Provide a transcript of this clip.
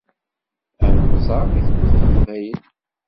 Ad nemmẓer deg Tmurt n Leqbayel.